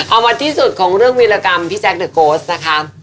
เอามาที่สุดของเรื่องวีรกรรมพี่แจ๊คเดอร์โกสนะคะ